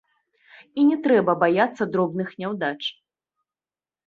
І не трэба баяцца дробных няўдач.